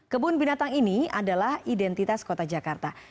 kebun binatang ini adalah identitas kota jakarta